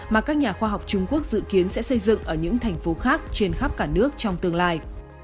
mà các nhà khoa học trung quốc dự kiến sẽ xây dựng ở những thành phố khác trên khắp cả nước trong tương lai